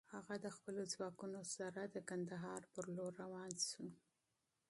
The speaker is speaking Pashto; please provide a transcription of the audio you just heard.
هغه د خپلو ځواکونو سره د کندهار پر لور روان شو.